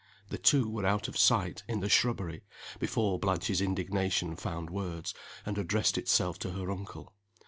The two were out of sight, in the shrubbery, before Blanche's indignation found words, and addressed itself to her uncle.